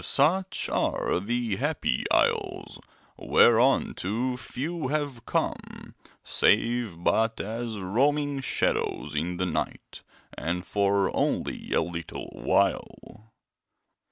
Such are the Happy Isles, whereunto few have come, save but as roaming shadows in the night, and for only a little while.